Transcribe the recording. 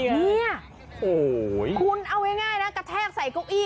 นี่คุณเอาง่ายนะกระแทกใส่โก๊คอี้